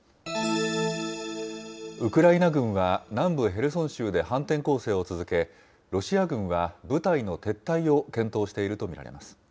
ウクライナ軍は南部ヘルソン州で反転攻勢を続け、ロシア軍は部隊の撤退を検討していると見られます。